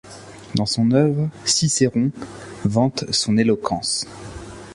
Dans son œuvre, Cicéron vante son éloquence.